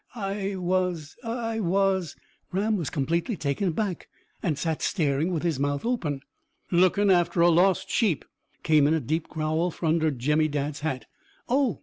"I was I was " Ram was completely taken aback, and sat staring, with his mouth open. "Lookin' after a lost sheep," came in a deep growl from under Jemmy Dadd's hat. "Oh!